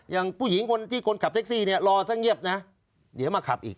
อย่างผู้หญิงที่คขับเซ็กซี่นี่รอสักเงียบเนี่ย